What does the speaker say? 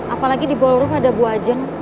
apalagi di ballroom ada bu aja